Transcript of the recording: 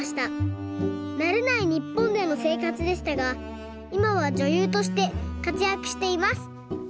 なれないにっぽんでのせいかつでしたがいまはじょゆうとしてかつやくしています。